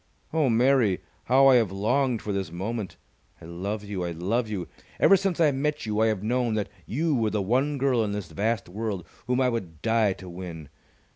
Oh, Mary, how I have longed for this moment! I love you! I love you! Ever since I met you I have known that you were the one girl in this vast world whom I would die to win!